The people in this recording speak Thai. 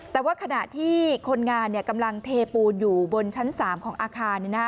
แต่ว่าขณะที่คนงานเนี่ยกำลังเทปูนอยู่บนชั้น๓ของอาคารเนี่ยนะ